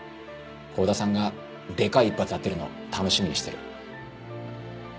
幸田さんがでかい一発当てるの楽しみにしてる。